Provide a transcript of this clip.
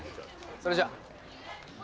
それじゃ。